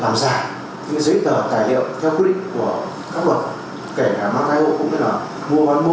những giấy tờ tài liệu theo quy định của các luật kể cả mạng khai hộ cũng như là mua bán mô